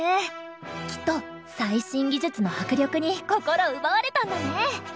きっと最新技術の迫力に心奪われたんだね！